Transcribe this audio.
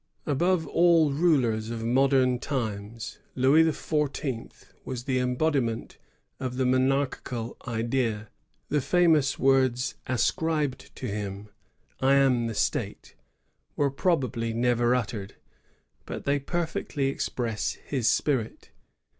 Above all rulers of modem times, Louis XIV. was the embodiment of the monarchical idea. The famous words ascribed to him, ^*I am the State," were probably never uttered; but they perfectly express his spirit.